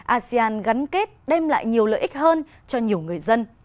asean gắn kết đem lại nhiều lợi ích hơn cho nhiều người dân